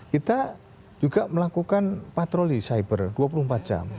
kita juga melakukan patroli cyber dua puluh empat jam